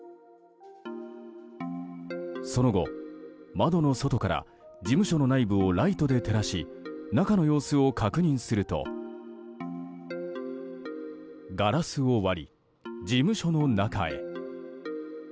その後、窓の外から事務所の内部をライトで照らし中の様子を確認するとガラスを割り、事務所の中へ。